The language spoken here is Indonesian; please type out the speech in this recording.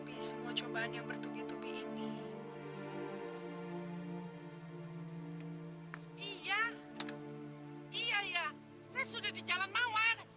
bagaimana kalau tidur di rumah